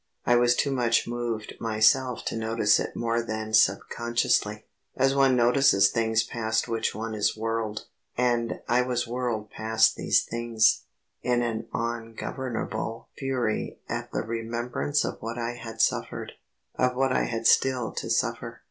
I was too much moved myself to notice it more than subconsciously, as one notices things past which one is whirled. And I was whirled past these things, in an ungovernable fury at the remembrance of what I had suffered, of what I had still to suffer.